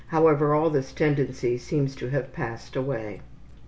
However, all this tendency seems to have passed away.